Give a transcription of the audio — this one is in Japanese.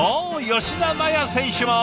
吉田麻也選手も。